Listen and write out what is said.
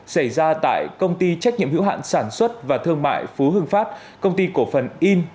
xảy ra tại công ty trách nhiệm hữu hạn sản xuất và thương mại phú hưng phát công ty cổ phần in